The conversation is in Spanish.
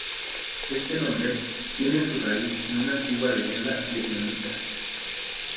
Este nombre tiene su raíz en una antigua leyenda vietnamita.